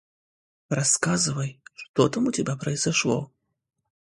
Рассказывай, что там у тебя произошло.